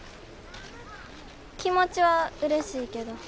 気持ちはうれしいけど。